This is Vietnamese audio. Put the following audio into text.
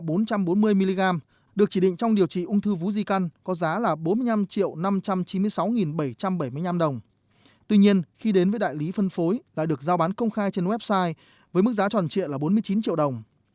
thuốc bột pha tiêm herceptin lọ bốn trăm bốn mươi ml được chỉ định trong điều trị ung thư vú di căn có giá là bốn mươi năm năm trăm chín mươi sáu bảy trăm bảy mươi năm đồng tuy nhiên khi đến với đại lý phân phối lại được giao bán công khai trên website với mức giá tròn trịa là bốn mươi chín triệu đồng